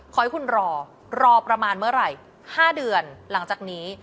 ขอให้คุณรอรอประมาณเมื่อไหร่๕เดือนหลังจากนี้